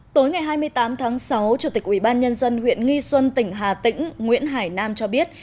tối ngày hai mươi tám tháng sáu chủ tịch ubnd huyện nghi xuân tỉnh hà tĩnh nguyễn hải nam cho biết